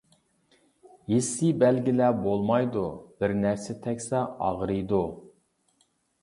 ھېسسىي بەلگىلەر بولمايدۇ، بىر نەرسە تەگسە ئاغرىيدۇ.